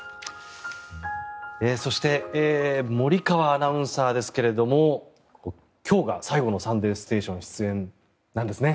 そして森川アナウンサーですけれども今日が最後の「サンデーステーション」出演なんですね。